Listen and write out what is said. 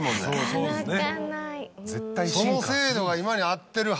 そうですね。